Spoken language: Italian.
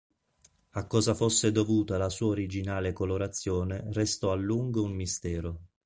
A cosa fosse dovuta la sua originale colorazione restò a lungo un mistero.